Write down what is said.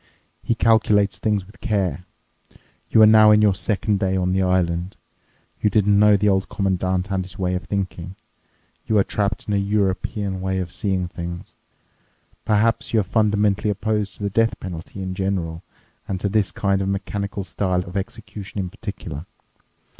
He calculates things with care. You are now in your second day on the island. You didn't know the Old Commandant and his way of thinking. You are trapped in a European way of seeing things. Perhaps you are fundamentally opposed to the death penalty in general and to this kind of mechanical style of execution in particular.